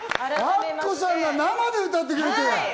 アッコさんが生で歌ってくれた！